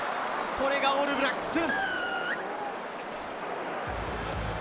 これがオールブラックス。